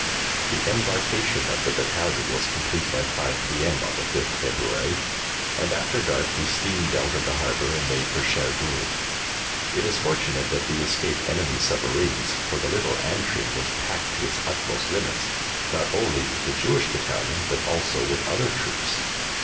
The embarkation of the Battalion was complete by 5 p.m. on the 5th February, and after dark we steamed out of the harbour and made for Cherbourg. It is fortunate that we escaped enemy submarines, for the little Antrim was packed to its utmost limits, not only with the Jewish Battalion, but also with other troops.